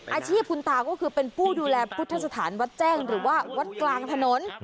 อาชีพคุณตาก็คือเป็นผู้ดูแลพุทธสถานวัดแจ้งหรือว่าวัดกลางถนน